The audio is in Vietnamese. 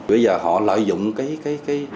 bây giờ họ lợi dụng cái